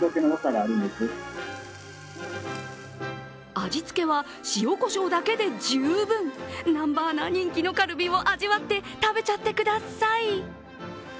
味付けは塩・こしょうだけで十分南波アナ、人気のカルビを味わって食べちゃってください。